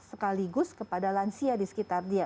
sekaligus kepada lansia di sekitar dia